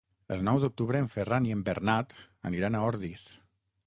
El nou d'octubre en Ferran i en Bernat aniran a Ordis.